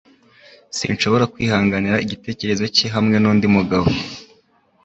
Sinshobora kwihanganira igitekerezo cye hamwe nundi mugabo.